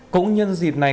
cũng nhân dịp này